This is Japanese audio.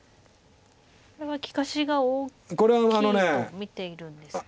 これは利かしが大きいと見ているんですか。